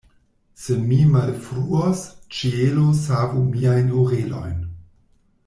Se mi malfruos, ĉielo savu miajn orelojn!